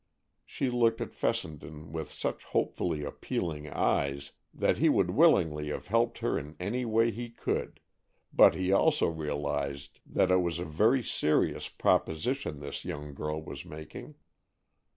She looked at Fessenden with such hopefully appealing eyes, that he would willingly have helped her in any way he could, but he also realized that it was a very serious proposition this young girl was making.